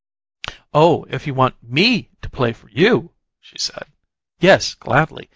"Oh, if you want ME to play for you!" she said. "Yes, gladly.